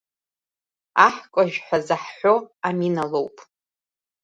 Аҳкәажә ҳәа заҳҳәо Амина лоуп.